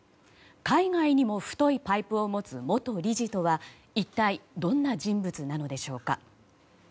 海外にも太いパイプを持つ元理事とは一体どんな人物なのでしょうか。